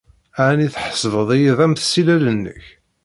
Ɛni tḥesbed-iyi d amsillel-nnek?